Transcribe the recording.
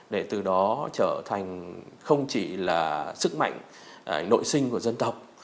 để từ đó trở thành không chỉ là sức mạnh nội sinh của dân tộc